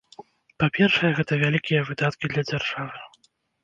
Па-першае, гэта вялікія выдаткі для дзяржавы.